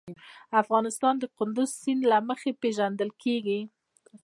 افغانستان د کندز سیند له مخې پېژندل کېږي.